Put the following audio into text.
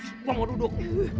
gue mau duduk